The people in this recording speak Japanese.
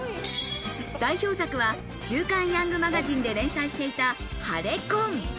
代表作は『週刊ヤングマガジン』で連載していた『ハレ婚。』。